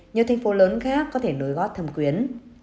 nhiều thành phố lớn khác có thể nối gót thâm quyến